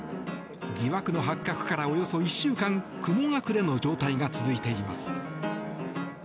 疑惑の発覚からおよそ１週間雲隠れの状態が続いています。